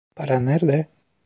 Para nerde?